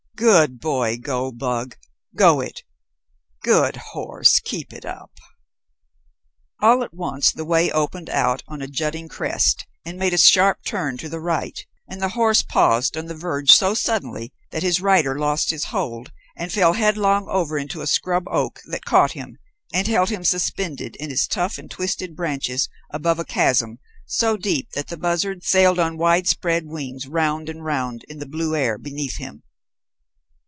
"Good boy Goldbug, go it. Good horse, keep it up." All at once the way opened out on a jutting crest and made a sharp turn to the right, and the horse paused on the verge so suddenly that his rider lost his hold and fell headlong over into a scrub oak that caught him and held him suspended in its tough and twisted branches above a chasm so deep that the buzzards sailed on widespread wings round and round in the blue air beneath him.